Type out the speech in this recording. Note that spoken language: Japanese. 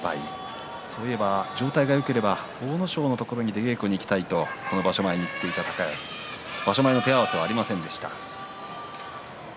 状態がよければ阿武咲のところに出稽古に行きたいと場所前に言っていた高安場所前の手合わせはありませんでした。